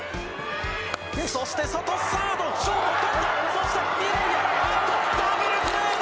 そして外サード、ショートとったそして２塁へアウト、ダブルプレーだ！